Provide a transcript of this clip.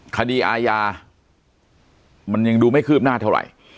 คดีอาญามันยังดูไม่คืบหน้าเท่าไหร่